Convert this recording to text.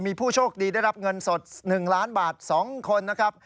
มีผู้โชคดีได้รับเงินสด๑ล้านบาท๒คนนะครับ